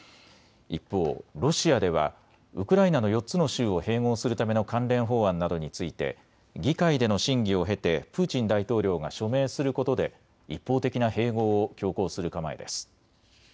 一方、ロシアではウクライナの４つの州を併合するための関連法案などについて議会での審議を経てプーチン大統領が署名することで一方的な併合を強行する構えです。